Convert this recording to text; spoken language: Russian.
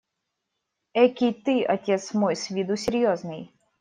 Экий ты, отец мой, с виду серьезный!